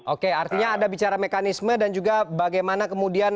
oke artinya ada bicara mekanisme dan juga bagaimana kemudian